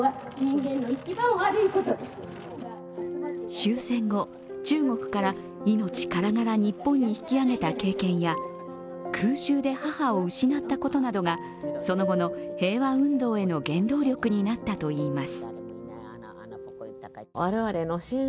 終戦後、中国から命からがら日本に引き揚げた経験や空襲で母を失ったことなどが、その後の平和運動への原動力になったといいます。